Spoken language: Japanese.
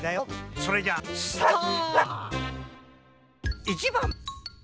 それじゃあスタート！